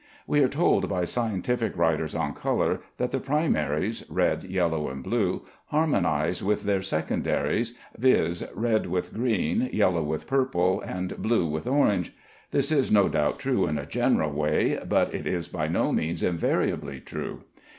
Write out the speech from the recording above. We are told by scientific writers on color, that the primaries (red, yellow, and blue) harmonize with their secondaries, viz., red with green, yellow with purple, and blue with orange. This is no doubt true in a general way, but it is by no means invariably true.